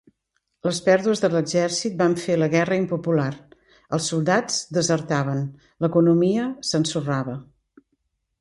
Les pèrdues de l'exèrcit van fer la guerra impopular; els soldats desertaven; l'economia s'ensorrava.